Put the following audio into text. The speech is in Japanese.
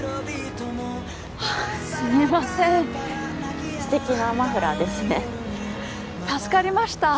すみません素敵なマフラーですね助かりました